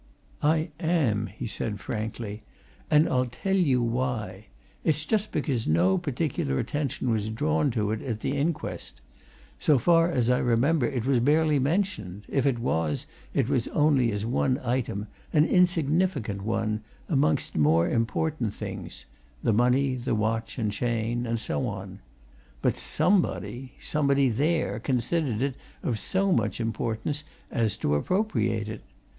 "I am!" he said, frankly. "And I'll tell you why. It's just because no particular attention was drawn to it at the inquest. So far as I remember it was barely mentioned if it was, it was only as one item, an insignificant one, amongst more important things; the money, the watch and chain, and so on. But somebody somebody there! considered it of so much importance as to appropriate it.